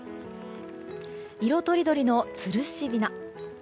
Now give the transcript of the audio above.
色とりどりのつるし雛。